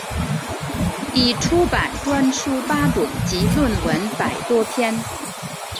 已出版专书八种及论文百多篇。